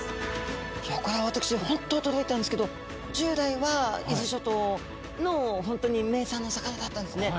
これは私本当驚いたんですけど従来は伊豆諸島の本当に名産の魚だったんですね。